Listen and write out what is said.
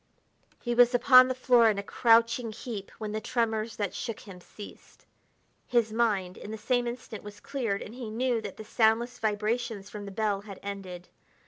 He was upon the floor in a crouching heap when the tremors that shook him ceased. His mind, in the same instant, was cleared, and he knew that the soundless vibrations from the bell had ended.